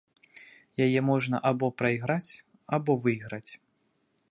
Яе можна або прайграць, або выйграць.